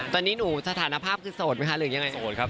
ตอนนี้หนูสถานะภาพคือโสดหรือยังไง